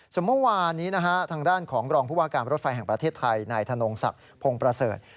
ส่วนเมื่อวานนี้นะฮะทางด้านของรองผู้ว่าการรถไฟแห่งประเทศไทยนายธนงศักดิ์พงศ์ประเสริฐ